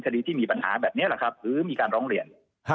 คดีที่มีปัญหาแบบนี้หรือมีการร้องเรียน